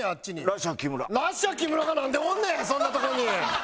ラッシャー木村がなんでおんねんそんなとこに。